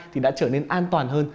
thì đã trở nên an toàn hơn